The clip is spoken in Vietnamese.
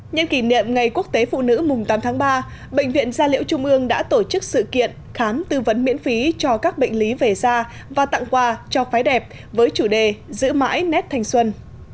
nhân kỷ niệm ngày quốc tế phụ nữ mùng tám tháng ba bệnh viện gia liễu trung ương đã tổ chức sự kiện khám tư vấn miễn phí cho các bệnh lý về da và tặng quà cho phái đẹp với chủ đề giữ mãi nét thanh xuân